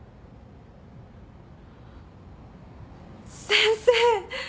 先生。